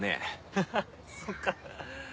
ハハっそっか。